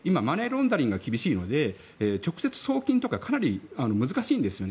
今、マネーロンダリングが厳しいので直接送金はかなり難しいんですよね。